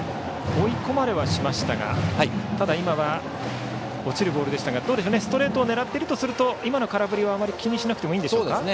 追い込まれはしましたが今は落ちるボールでしたがストレートを狙っているとすると今の空振りはあまり気にしなくていいですか。